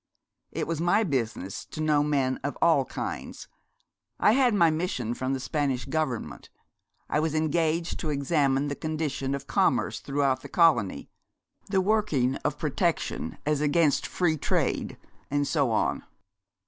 'It was my business to know men of all kinds. I had my mission from the Spanish Government. I was engaged to examine the condition of commerce throughout the colony, the working of protection as against free trade, and so on.